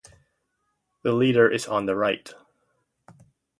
The leader is on the right.